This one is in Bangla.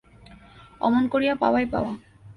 অমনি করিয়া পাওয়াই পাওয়া।